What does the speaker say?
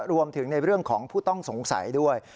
รวมถึงในเรื่องของผู้ต้องสงสัยด้วย